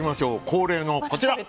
恒例のこちら。